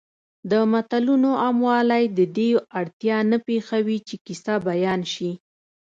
د متلونو عاموالی د دې اړتیا نه پېښوي چې کیسه بیان شي